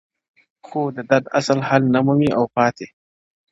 خو د درد اصل حل نه مومي او پاتې,